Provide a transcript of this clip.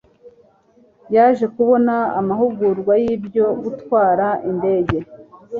yaje kubona amahugurwa y'ibyo gutwara indege